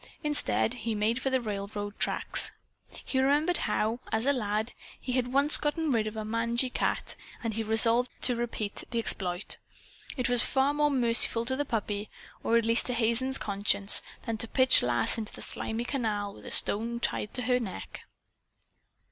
Instead he made for the railroad tracks. He remembered how, as a lad, he had once gotten rid of a mangy cat, and he resolved to repeat the exploit. It was far more merciful to the puppy or at least, to Hazen's conscience, than to pitch Lass into the slimy canal with a stone tied to her neck.